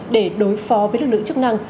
để đối phó với lực lượng chức năng